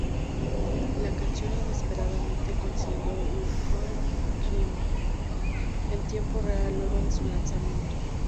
La canción inesperadamente consiguió un 'all-kill' en tiempo real luego de su lanzamiento.